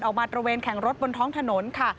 มาตระเวนแข่งรถบนท้องถนนค่ะ